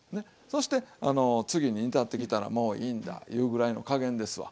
そして次に煮立ってきたらもういいんだいうぐらいの加減ですわ。